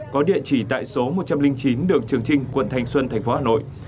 có địa chỉ tại số một trăm linh chín đường trường trinh quận thanh xuân thành phố hà nội